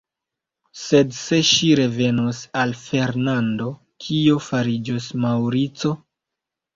Sed se ŝi revenos al Fernando, kio fariĝos Maŭrico?